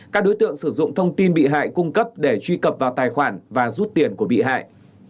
các đối tượng sử dụng thông tin bị hại cung cấp để truy cập vào tài khoản và rút tiền của bị hại